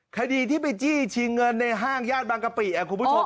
คดีที่ไปจี้ชิงเงินในห้างญาติบางกะปิคุณผู้ชม